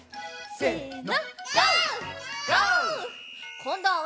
せの！